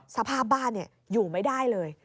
สภาพบ้านอยู่ไม่ได้เลย